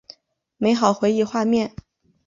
美好回忆画面